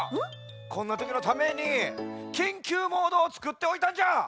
こんなときのためにきんきゅうモードをつくっておいたんじゃ！